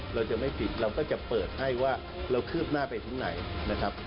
เราจะไม่ปิดเราก็จะเปิดให้ว่าเราคืบหน้าไปถึงไหนนะครับ